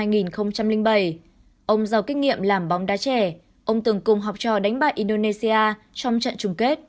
ông giàu kinh nghiệm làm bóng đá trẻ ông từng cùng học trò đánh bại indonesia trong trận chung kết